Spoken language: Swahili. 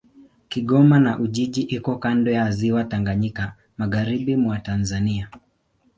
Kigoma na Ujiji iko kando ya Ziwa Tanganyika, magharibi mwa Tanzania.